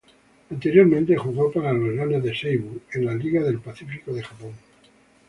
Anteriormente jugó para los Leones de Seibu en la Liga del Pacífico de Japón.